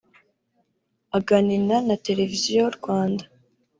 Aganina na Televiziyo Rwanda